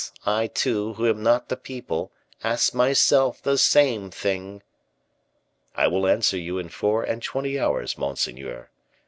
I, too, who am not the people, ask myself the same thing." "I will answer you in four and twenty hours, monseigneur.